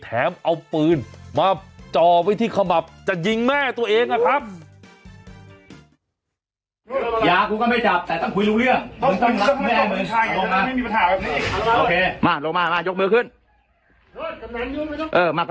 แถมเอาปืนมาจ่อไว้ที่ขมับจะยิงแม่ตัวเองนะครับ